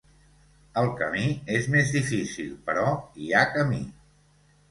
El camí és més difícil però hi ha camí.